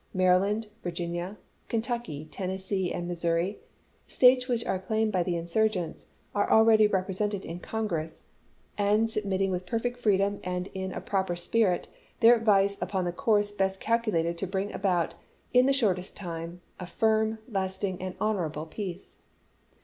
Maryland, Virginia, Kentucky, Tennessee, and Missouri — States which are claimed by the insurgents — are already represented in Congress, and submitting 76 ABRAHAM LINCOLN CHAP.rv. with perfect freedom and in a proper spirit their ad\dee upon the course best calculated to bring about, in the shortest time, a firm, lasting, and honorable peace.